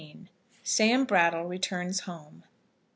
SAM BRATTLE RETURNS HOME.